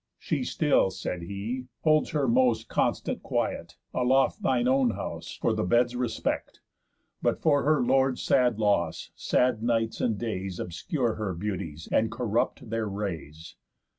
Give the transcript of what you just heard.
"She still," said he, "holds her most constant quiet, Aloft thine own house, for the bed's respect; But, for her lord's sad loss, sad nights and days Obscure her beauties, and corrupt their rays."